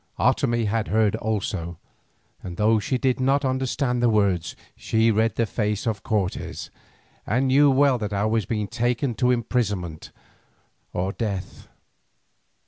Otomie had heard also, and though she did not understand the words, she read the face of Cortes, and knew well that I was being taken to imprisonment or death.